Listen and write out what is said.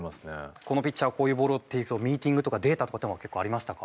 このピッチャーはこういうボールをっていうミーティングとかデータとかっていうのは結構ありましたか？